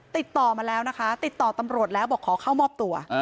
ติดต่อมาแล้วนะคะติดต่อตำรวจแล้วบอกขอเข้ามอบตัว